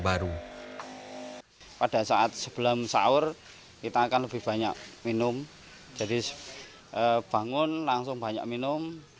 baru pada saat sebelum sahur kita akan lebih banyak minum jadi bangun langsung banyak minum